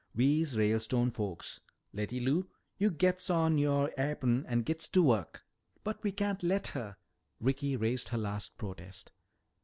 We's Ralestone folks. Letty Lou, yo' gits on youah ap'on an' gits to work." "But we can't let her," Ricky raised her last protest.